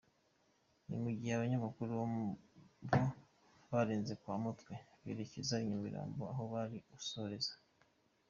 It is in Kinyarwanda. Ni mu gihe abanyamakuru bo barenze kwa Mutwe berekeza i Nyamirambo aho bari busoreze.